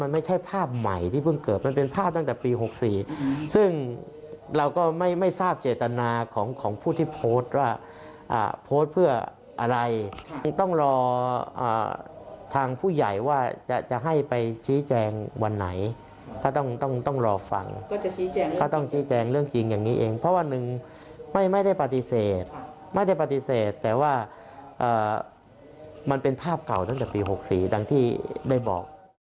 ไม่ได้ปฏิเสธแต่ว่ามันเป็นภาพเก่าตั้งแต่ปี๖สีดังที่ได้บอก